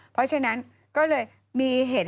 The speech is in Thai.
เพราะฉะนั้นก็เลยมีเหตุ